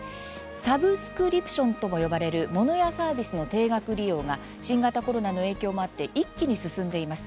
サブスクリプションとも呼ばれる物やサービスの定額利用が新型コロナの影響もあって一気に進んでいます。